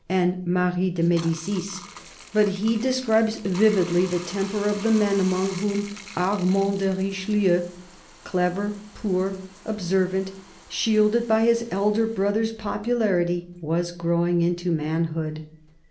and Marie de Medicis ; but he describes vividly the temper of the men among whom Armand de Richelieu, clever, poor, observant, shielded by his elder brother's popularity, was growing into manhood.